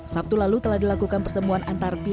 sabtu lalu telah dilakukan pertemuan antar pihak